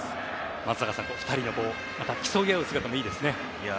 松坂さん２人の競い合う姿もまたいいですね。